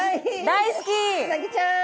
大好き！